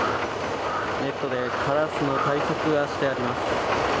ネットでカラスの対策がしてあります。